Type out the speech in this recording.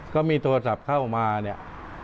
ก็มีโทรศัพท์เข้ามาเนี่ย